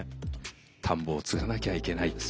田んぼを継がなきゃいけないって。